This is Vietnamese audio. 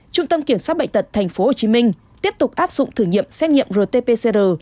trung tâm kiểm soát bệnh tật tp hcm tiếp tục áp dụng thử nghiệm xét nghiệm rt pcr